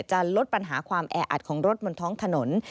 ลดปัญหาความแออัดของรถบนท้องถนน